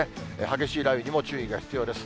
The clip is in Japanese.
激しい雷雨にも注意が必要です。